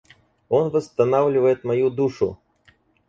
Он восстанавливает мою душу.